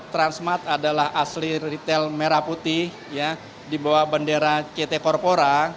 transmart adalah asli ritel merah putih di bawah bendera ct corpora